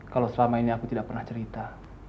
kalau selama ini aku tidak pernah cerita